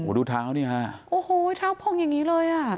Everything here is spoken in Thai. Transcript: โอ้โหดูท้าวนี่ค่ะท้าวพองอย่างนี้เลยอ่ะ